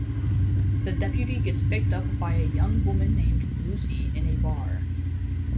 The deputy gets picked up by a young woman named Lucy in a bar.